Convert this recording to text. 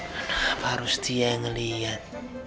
harus dia yang ngeliat